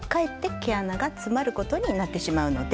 毛穴が詰まることになってしまいます。